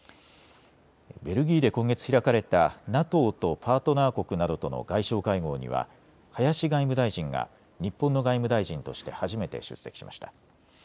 ベルギーで今月開かれたＮＡＴＯとパートナー国などとの外相会合には林外務大臣が日本の外務大臣として初めて出席しました。